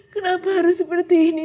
kenapa harus seperti ini